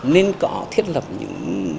nên có thiết lập những